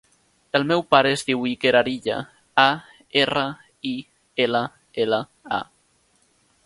El meu pare es diu Iker Arilla: a, erra, i, ela, ela, a.